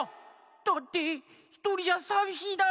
だってひとりじゃさびしいだろ！